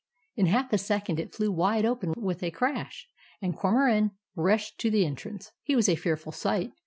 In half a second it flew wide open with a crash, and Cormoran rushed to the entrance. He was a fearful sight.